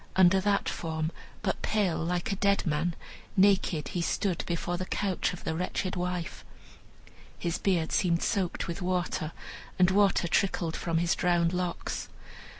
Under that form, but pale like a dead man, naked, he stood before the couch of the wretched wife. His beard seemed soaked with water, and water trickled from his drowned locks.